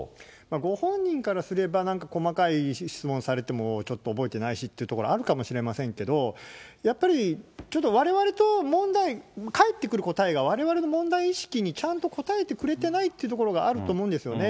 ご本人からすれば、なんか細かい質問されてもちょっと覚えてないしってところ、あるかもしれませんけれども、やっぱりちょっとわれわれと問題、返ってくることばがわれわれの問題意識にちゃんと答えてくれてないっていうところがあると思うんですよね。